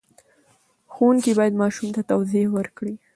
ښوونکی باید ماشوم ته توضیح ورکړي.